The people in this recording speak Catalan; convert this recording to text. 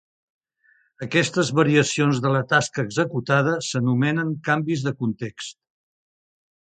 Aquestes variacions de la tasca executada s'anomenen canvis de context.